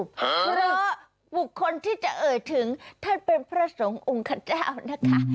เพราะบุคคลที่จะเอ่ยถึงท่านเป็นพระสงฆ์ขเจ้านะคะ